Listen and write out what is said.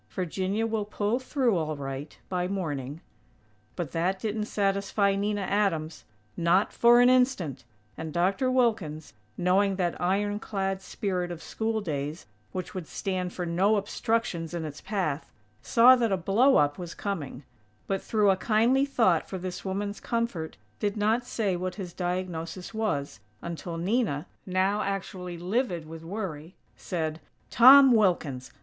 Virginia will pull through all right, by morning." But that didn't satisfy Nina Adams, not for an instant, and Dr. Wilkins, knowing that ironclad spirit of school days which would stand for no obstructions in its path, saw that a "blow up" was coming; but, through a kindly thought for this woman's comfort, did not say what his diagnosis was, until Nina, now actually livid with worry, said: "Tom Wilkins!